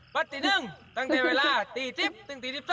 วัดที่หนึ่งตั้งแต่เวลาตี๑๐ถึงตี๒๒